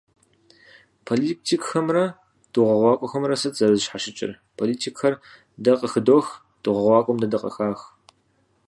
Политикхэмрэ дыгъуакӏуэхэмрэ сыт зэрызэщхьэщыкӏыр? Политикхэр дэ къыхыдох, дыгъуакӀуэхэм дэ дыкъыхах.